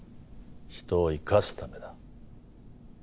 人を生かすためだ。